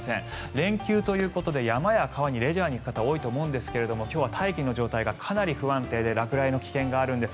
連休ということで山や川にレジャーに行く方多いと思いますが今日は大気の状態がかなり不安定で落雷の危険があるんです。